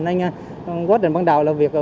nên quá trình ban đầu là việc